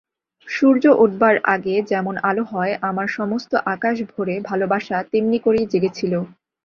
সূর্য ওঠবার আগে যেমন আলো হয় আমার সমস্ত আকাশ ভরে ভালোবাসা তেমনি করেই জেগেছিল।